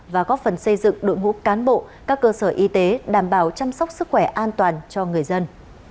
và góp phần xây dựng đội ngũ cán bộ các cơ sở y tế đảm bảo chăm sóc sức khỏe an toàn cho người dân